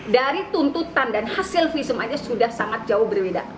dari tuntutan dan hasil visum aja sudah sangat jauh berbeda